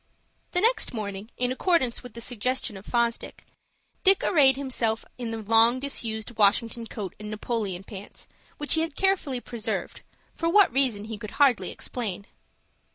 The next morning, in accordance with the suggestion of Fosdick, Dick arrayed himself in the long disused Washington coat and Napoleon pants, which he had carefully preserved, for what reason he could hardly explain.